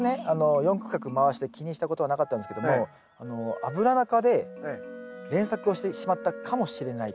４区画回して気にしたことはなかったんですけどもアブラナ科で連作をしてしまったかもしれないと。